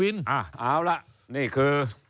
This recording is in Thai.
เอาล่ะนี่คือ